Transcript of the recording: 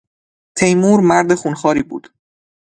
تیمور مرد خونخواری بود.